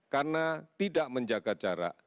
karena tidak menjaga jarak